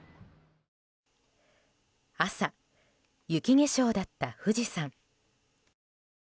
朝、雪化粧だった富士山。